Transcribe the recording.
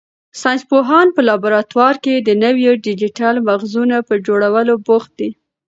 ساینس پوهان په لابراتوار کې د نویو ډیجیټل مغزونو په جوړولو بوخت دي.